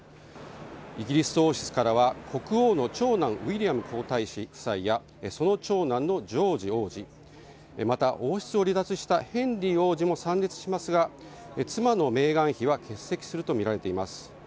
イギリス王室からは国王の長男ウィリアム皇太子夫妻やその長男のジョージ王子また、王室を離脱したヘンリー王子も参列しますが妻のメーガン妃は欠席するとみられています。